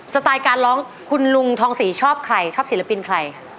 สไตล์การร้องคุณลุงทองศรีชอบใครชอบศิลปินใคร